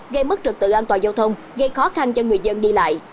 gây mất trực tự an toàn giao thông gây khó khăn cho người dân đi lại